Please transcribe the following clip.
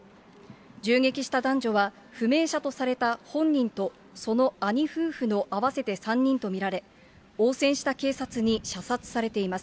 銃撃した男女は、不明者とされた本人と、その兄夫婦の合わせて３人と見られ、応戦した警察に射殺されています。